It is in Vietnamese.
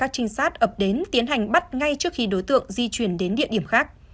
tình sát ập đến tiến hành bắt ngay trước khi đối tượng di chuyển đến địa điểm khác